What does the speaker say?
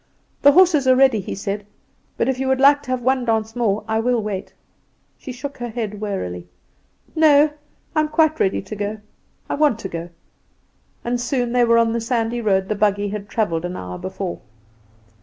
"The horses are ready," he said; "but if you would like to have one dance more I will wait." She shook her head wearily. "No; I am quite ready. I want to go." And soon they were on the sandy road the buggy had travelled an hour before.